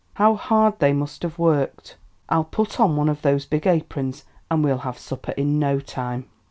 How hard they must have worked. I'll put on one of these big aprons, and we'll have supper in no time!"